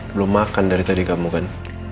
belum makan dari tadi kamu kan